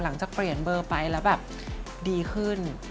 หลังจากเปลี่ยนเบอร์ไปแล้วแบบดีขึ้น